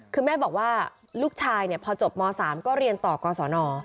คือแม่บอกว่าลูกชายพอจบม๓ก็เรียนต่อกศน